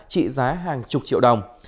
trị giá hàng chục triệu đồng